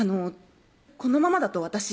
このままだと私